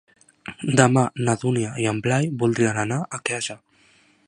Demà na Dúnia i en Blai voldrien anar a Quesa.